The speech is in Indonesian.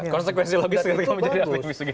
konsekuensi logis ketika menjadi aktivis